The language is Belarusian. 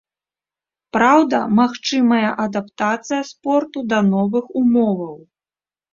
Праўда, магчымая адаптацыя спорту да новых умоваў.